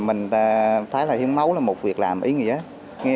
mình thấy là hiến máu là một việc làm ý nghĩa